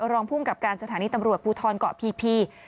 รองภูมิกับการสถานีตำรวจภูทรเกาะพี